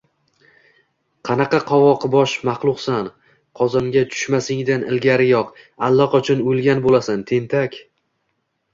– Qanaqa qovoqbosh maxluqsan? Qozonga tushmasingdan ilgariyoq, allaqachon o‘lgan bo‘lasan, tentak!